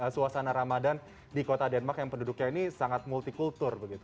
suasana ramadan di kota denmark yang penduduknya ini sangat multi kultur begitu